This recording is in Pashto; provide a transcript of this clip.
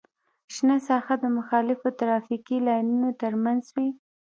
شنه ساحه د مخالفو ترافیکي لاینونو ترمنځ وي